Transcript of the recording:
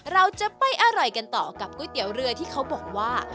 เราจะไปอร่อยกันต่อกับก๋วยเตี๋ยวเรือที่เขาบอกว่า